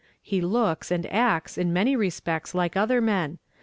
He looks and acts, in many respects, like other men.